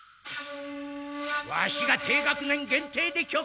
ワシが低学年限定で許可した！